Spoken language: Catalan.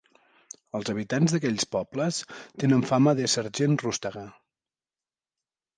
Els habitants d'aquells pobles tenen fama d'ésser gent rústega.